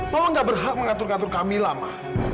mama gak berhak mengatur ngatur kamila ma